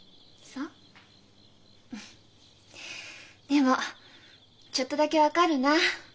でもちょっとだけ分かるな。